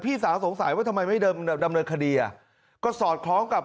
พี่สาวสงสัยว่าทำไมไม่ดำเนินคดีอ่ะก็สอดคล้องกับ